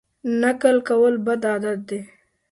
نقل کول بد عادت دی.